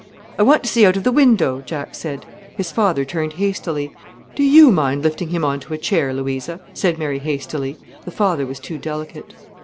"I want to see out of the window," Jack said. His father turned hastily. "Do you mind lifting him on to a chair, Louisa," said Mary hastily. The father was too delicate.